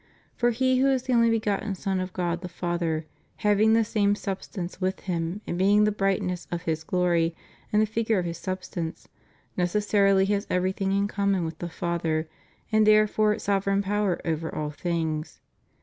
For He v/ho is the only begotten Son of God the Father, having the same substance with Him and being the bright ness of His glory and the figure of His substance,^ neces sarily has everything in common with the Father, and therefore sovereign power over all things.